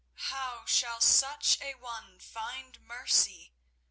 How shall such a one find mercy?"